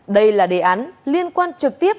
đây là đề án liên quan trực tiếp